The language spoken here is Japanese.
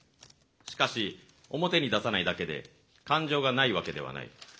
しかし表に出さないだけで感情がないわけではない。